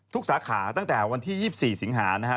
ทุกสาขาตั้งแต่วันที่๒๔สิงหาคม